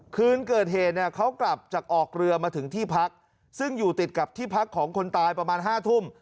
คืนเกิดเหตุเนี่ยเขากลับจากออกเรือมาถึงที่พักซึ่งอยู่ติดกับที่พักของคนตายประมาณ๕ทุ่ม